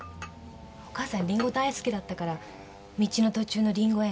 お母さんリンゴ大好きだったから道の途中のリンゴ園からもいで。